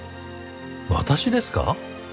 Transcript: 私ですか？